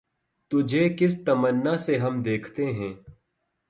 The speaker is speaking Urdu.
تجھے کس تمنا سے ہم دیکھتے ہیں